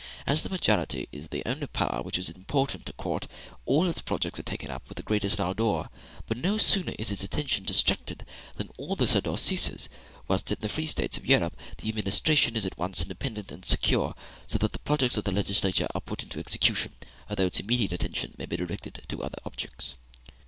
As the majority is the only power which it is important to court, all its projects are taken up with the greatest ardor, but no sooner is its attention distracted than all this ardor ceases; whilst in the free States of Europe the administration is at once independent and secure, so that the projects of the legislature are put into execution, although its immediate attention may be directed to other objects.